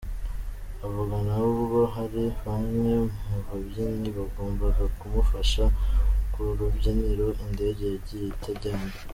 avuga nawe ubwe hari bamwe mu babyinyi bagombaga kumufasha ku rubyiniro indege yagiye itajyanye.